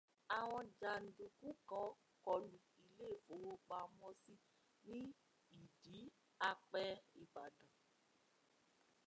Awọn janduku kan kọlu ilé ìfowópamọ́sí ní Ìdí Àpẹ́ Ìbàdàn